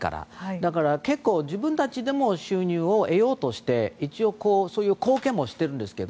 だから、自分たちでも収入を得ようとして一応、貢献もしてるんですけど。